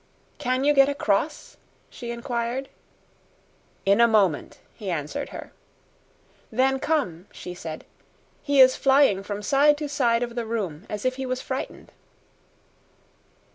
"Can you get across?" she inquired. "In a moment," he answered her. "Then come," she said; "he is flying from side to side of the room as if he was frightened."